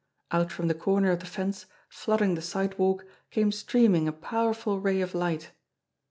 Out from the corner of the fence, flooding the sidewalk, came streaming a powerful ray of light.